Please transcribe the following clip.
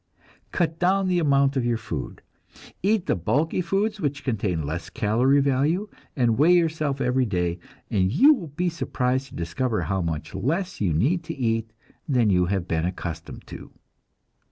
Cut down the amount of your food; eat the bulky foods, which contain less calory value, and weigh yourself every day, and you will be surprised to discover how much less you need to eat than you have been accustomed to.